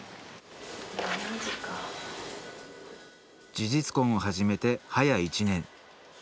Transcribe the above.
事実婚を始めて早一年。